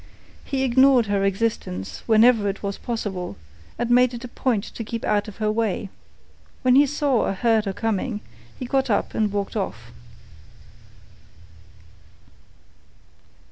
He ignored her existence whenever it was possible, and made it a point to keep out of her way. When he saw or heard her coming, he got up and walked off.